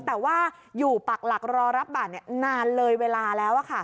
แต่ว่าอยู่ปักหลักรอรับบาทนานเลยเวลาแล้ว